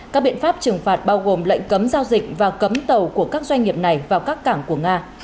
các biện pháp trừng phạt bao gồm lệnh cấm giao dịch và cấm tàu của các doanh nghiệp này vào các cảng của nga